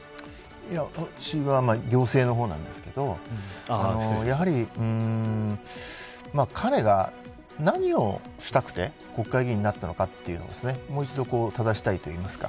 私は行政の方なんですけどやはり、彼が何をしたくて国会議員になったのかをもう一度ただしたいといいますか。